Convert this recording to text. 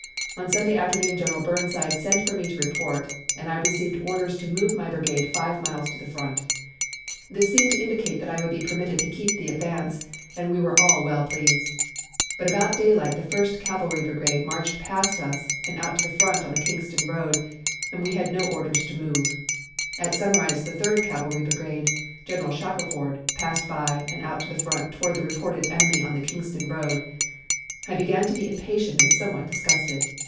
On Sunday afternoon General Burnside sent for me to report, and I received orders to move my brigade five miles to the front. This seemed to indicate that I would be permitted to keep the advance and we were all well pleased. But about daylight the First Cavalry Brigade marched past us and out to the front on the Kingston road, and we had no orders to move. At sunrise, the Third Cavalry Brigade (General Shackelford) passed by and out to the front toward the reported enemy on the Kingston road. I began to be impatient and somewhat disgusted.